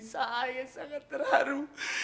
saya sangat terharu